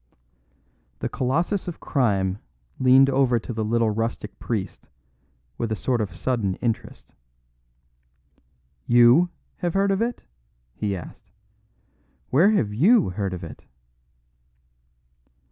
The colossus of crime leaned over to the little rustic priest with a sort of sudden interest. "You have heard of it?" he asked. "Where have you heard of it?"